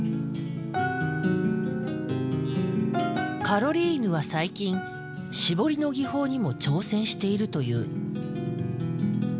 カロリーヌは最近絞りの技法にも挑戦しているという。